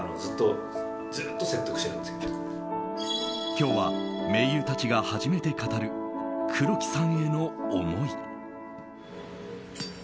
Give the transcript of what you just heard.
今日は盟友たちが初めて語る黒木さんへの思い。